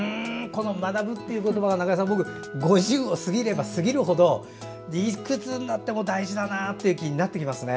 この「学ぶ」という言葉は僕、５０を過ぎれば過ぎるほどいくつになっても大事だなという気になってきますね。